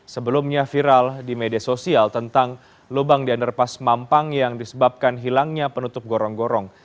sebelumnya viral di media sosial tentang lubang di anderpas mampang yang disebabkan hilangnya penutup gorong gorong